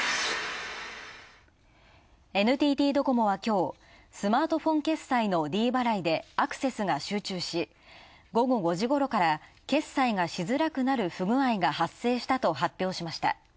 ＮＴＴドコモは、きょうスマートフォン決済のｄ払いでアクセスが集中し、午後５時ごろから決済がしづらくなる不具合が発生したと発表しました。